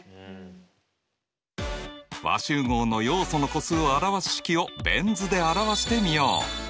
和集合の要素の個数を表す式をベン図で表してみよう。